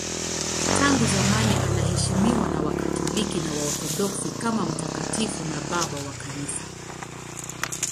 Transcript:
Tangu zamani anaheshimiwa na Wakatoliki na Waorthodoksi kama mtakatifu na babu wa Kanisa.